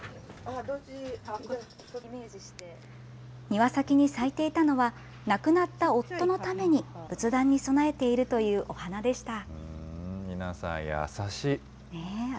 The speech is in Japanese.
庭先に咲いていたのは、亡くなった夫のために仏壇に供えているというお花でした。